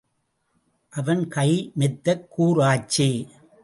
அவன் கை மெத்தக் கூர் ஆச்சே.